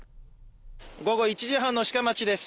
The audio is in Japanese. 午後１時半の志賀町です。